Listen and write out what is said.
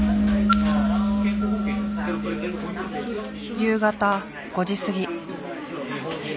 夕方５時過ぎ。